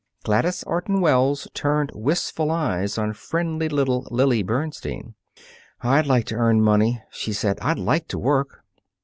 Gladys Orton Wells turned wistful eyes on friendly little Lily Bernstein. "I'd like to earn money," she said. "I'd like to work."